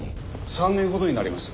３年ほどになります。